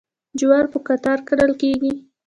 جوار په قطار کرل کیږي.